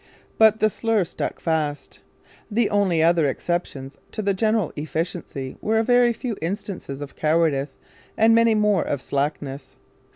But the slur stuck fast. The only other exceptions to the general efficiency were a very few instances of cowardice and many more of slackness.